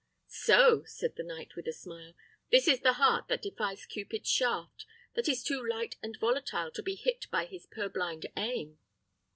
"So!" said the knight, with a smile, "this is the heart that defies Cupid's shaft: that is too light and volatile to be hit by his purblind aim!"